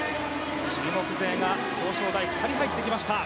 中国勢が表彰台に２人入ってきました。